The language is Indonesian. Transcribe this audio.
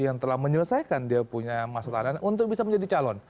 yang telah menyelesaikan dia punya masa tahanan untuk bisa menjadi calon